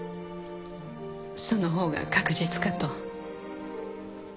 その方が確実かと